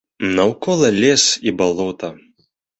Наўкола лес і балота.